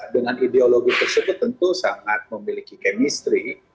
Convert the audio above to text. dengan ideologi tersebut tentu sangat memiliki kemistri